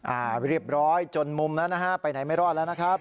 อ่าเรียบร้อยจนมุมแล้วนะฮะไปไหนไม่รอดแล้วนะครับ